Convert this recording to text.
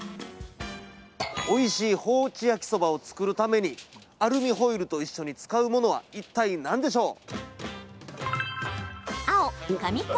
おいしい放置焼きそばを作るために、アルミホイルと一緒に使うものはいったい何でしょう？